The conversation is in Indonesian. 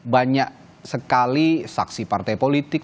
banyak sekali saksi partai politik